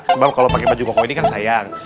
sebab kalo pake baju koko ini kan sayang